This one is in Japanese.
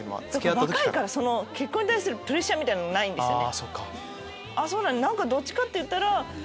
若いから結婚に対するプレッシャーないんですよね。